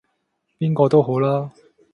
邊個都好啦